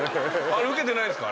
ウケてないんですか？